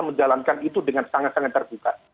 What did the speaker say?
menjalankan itu dengan sangat sangat terbuka